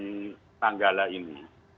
dan tanggal ini